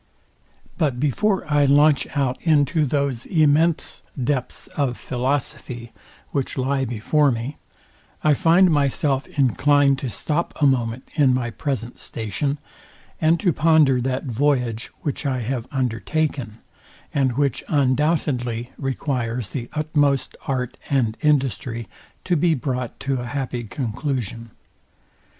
But before I launch out into those immense depths of philosophy, which lie before me, I find myself inclined to stop a moment in my present station, and to ponder that voyage, which I have undertaken, and which undoubtedly requires the utmost art and industry to be brought to a happy conclusion.